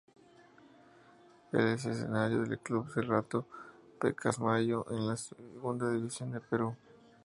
Es escenario del club Serrato Pacasmayo en la Segunda División del Perú.